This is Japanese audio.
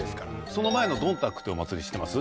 その前のどんたくってお祭り知ってます？